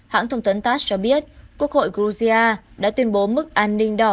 hãng thông tấn tass cho biết quốc hội georgia đã tuyên bố mức an ninh đỏ